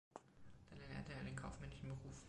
Dann erlernte er den kaufmännischen Beruf.